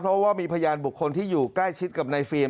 เพราะว่ามีพยานบุคคลที่อยู่ใกล้ชิดกับนายฟิล์ม